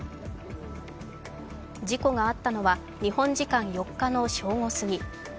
事故があったのは日本時間４日の正午過ぎ。